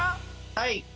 はい。